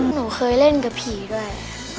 หนูเคยเล่นกับผีด้วย